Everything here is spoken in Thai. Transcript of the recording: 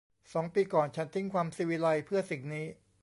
สองปีก่อน ฉันทิ้งความศิวิไลซ์เพื่อสิ่งนี้